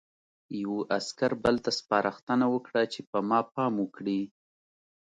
یوه عسکر بل ته سپارښتنه وکړه چې په ما پام وکړي